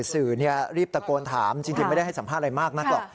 สื่อรีบตะโกนถามจริงไม่ได้ให้สัมภาษณ์อะไรมากนักหรอก